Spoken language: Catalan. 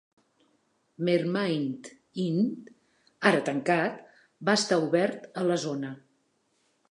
Mermaid Inn, ara tancat, va estar obert a la zona.